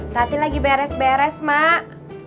tadi lagi beres beres mak